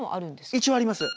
一応あります